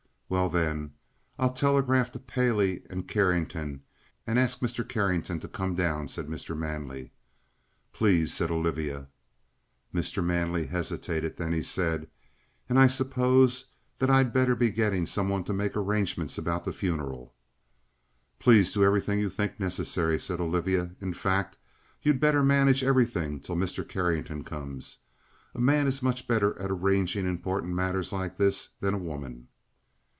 "Well, then, I'll telegraph to Paley and Carrington, and ask Mr. Carrington to come down," said Mr. Manley. "Please," said Olivia. Mr. Manley hesitated; then he said: "And I suppose that I'd better be getting some one to make arrangements about the funeral?" "Please do everything you think necessary," said Olivia. "In fact, you'd better manage everything till Mr. Carrington comes. A man is much better at arranging important matters like this than a woman."